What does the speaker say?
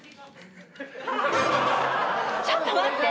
ちょっと待って！